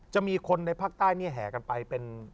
จะมีคนในภาคใต้เนี่ยแห่กันไปเป็น